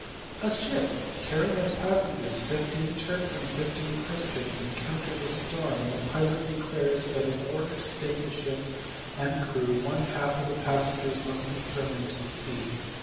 "A ship, carrying as passengers fifteen Turks and fifteen Christians, encounters a storm; and the pilot declares that in order to save the ship and crew one half of the passengers must be thrown into the sea.